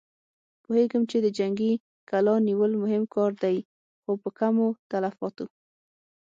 پوهېږم چې د جنګي کلا نيول مهم کار دی، خو په کمو تلفاتو.